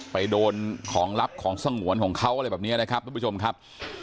ไปโดนของลับของสงวนของเขาอะไรแบบนี้นะครับทุกผู้ชมครับ